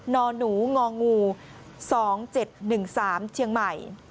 นหนูงองู๒๗๑๓เชียงใหม่